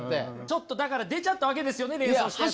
ちょっとだから出ちゃったわけですよね連想したやつが。